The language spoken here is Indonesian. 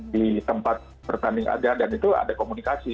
di tempat pertandingan ada dan itu ada komunikasi